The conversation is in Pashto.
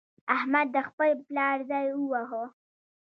احمد د خپل پلار ځای وواهه.